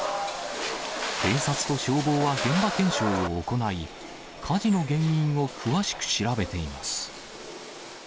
警察と消防は現場検証を行い、火事の原因を詳しく調べています。